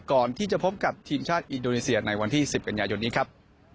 ก่อนที่จะพบกับทีมชาติอินโดนีเซียในวันที่๑๐กันยายนนี้ครับ